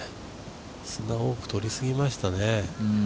砂多く取り過ぎましたね。